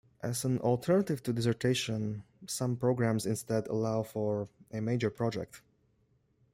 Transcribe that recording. As an alternative to the dissertation, some programs instead allow for a major project.